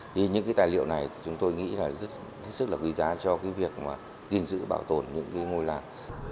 thì những cái tài liệu này chúng tôi nghĩ là rất là quý giá cho cái việc mà gìn giữ bảo tồn những cái ngôi làng